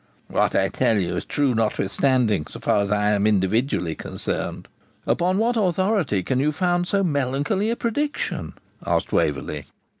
'What I tell you is true notwithstanding, so far as I am individually concerned.' 'Upon what authority can you found so melancholy a prediction?' asked Waverley.